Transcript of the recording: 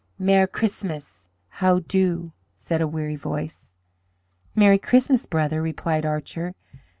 "Mer' Christmas! How do?" said a weary voice. "Merry Christmas, brother!" replied Archer.